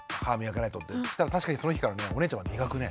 そしたら確かにその日からお姉ちゃんは磨くね。